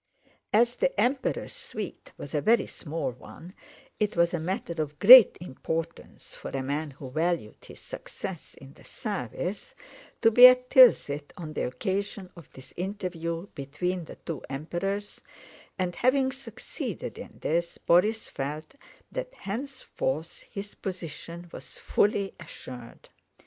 As the Emperor's suite was a very small one, it was a matter of great importance, for a man who valued his success in the service, to be at Tilsit on the occasion of this interview between the two Emperors, and having succeeded in this, Borís felt that henceforth his position was fully assured.